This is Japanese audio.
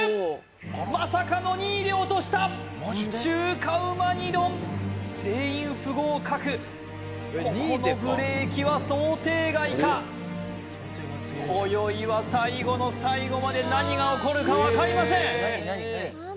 まさかの２位で落とした中華旨煮丼全員不合格ここのブレーキは想定外か今宵は最後の最後まで何が起こるか分かりません